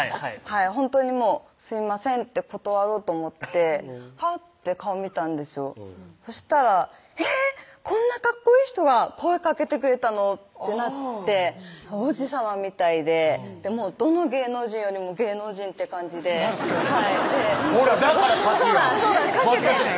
ほんとにもう「すいません」って断ろうと思ってはって顔見たんですよそしたらえぇっこんなかっこいい人が声かけてくれたの？ってなって王子さまみたいでどの芸能人よりも芸能人って感じで確かにほらだから歌手やんそうだそうだ